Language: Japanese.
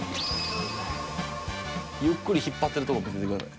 ゆっくり引っ張ってるとこ見せてください。